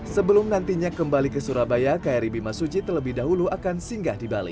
sebelum nantinya kembali ke surabaya kri bimasuci terlebih dahulu akan singgah di bali